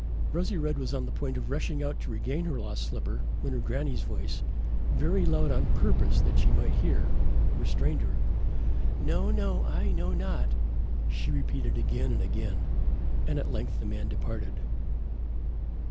Rosy red was on the point of rushing out to regain her lost slipper when her granny's voice very loud on purpose that she should hear restrained her. "No, no, I know not," she repeated again and again, and at length the man departed.